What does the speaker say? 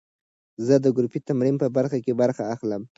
زه د ګروپي تمرین په برخه کې برخه اخلم.